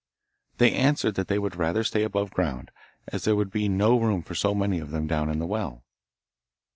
They answered that they would rather stay above ground, as there would be no room for so many of them down in the well.